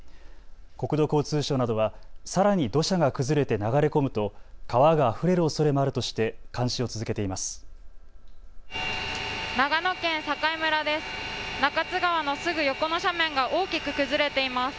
国土交通省などはさらに土砂が崩れて流れ込むと川があふれるおそれもあるとして監視を続けています。